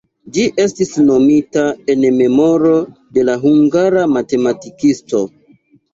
Ĝi estis nomita en memoro de la hungara matematikisto.